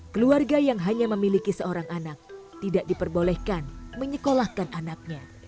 keluarga yang hanya memiliki seorang anak tidak diperbolehkan menyekolahkan anaknya